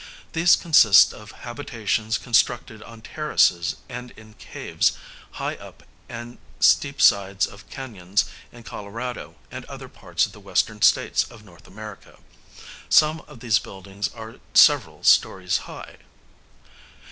These consist of habitations constructed on terraces and in caves high up and steep sides of ca├▒ons in Colorado and other parts of the western states of N. America. Some of these buildings are several stories high.